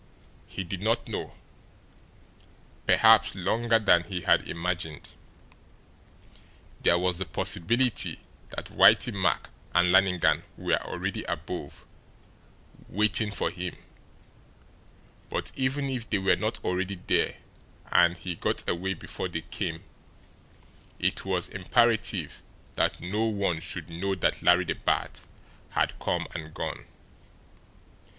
He did not know perhaps longer than he had imagined. There was the possibility that Whitey Mack and Lannigan were already above, waiting for him; but, even if they were not already there and he got away before they came, it was imperative that no one should know that Larry the Bat had come and gone.